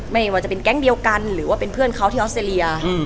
ไม่ว่าจะเป็นแก๊งเดียวกันหรือว่าเป็นเพื่อนเขาที่ออสเตรเลีย